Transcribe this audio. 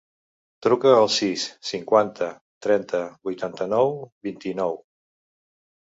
Truca al sis, cinquanta, trenta, vuitanta-nou, vint-i-nou.